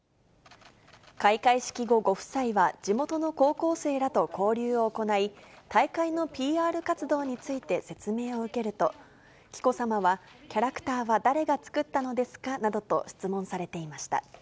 開会式後、ご夫妻は地元の高校生らと交流を行い、大会のＰＲ活動について説明を受けると、紀子さまは、キャラクターは誰が作ったのですかなどと質問されていました。